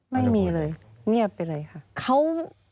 ไม่มีเลยเงียบไปเลยค่ะ